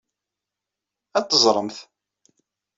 Ad t-teẓremt.